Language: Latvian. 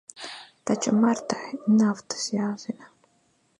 Taču Martai nav tas jāzina.